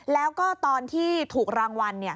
แล้วก็ตอนที่ถูกรางวัล